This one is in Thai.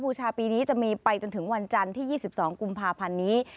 ชาปีนี้จะมีไปจนถึงวันจันทร์ที่๒๒กุมภาพันธ์นี้